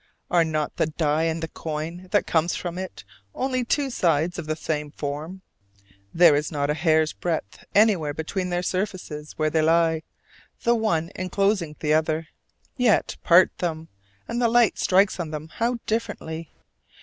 Are not the die and the coin that comes from it only two sides of the same form? there is not a hair's breadth anywhere between their surfaces where they lie, the one inclosing the other. Yet part them, and the light strikes on them how differently!